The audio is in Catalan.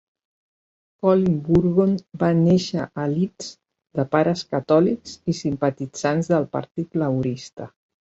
Colin Burgon va néixer a Leeds, de pares catòlics i simpatitzants del Partit Laborista.